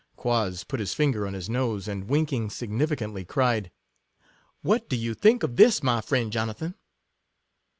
Quoz put his finger on his nose, and winking significantly, cried, " what do you think of this, my friend Jonathan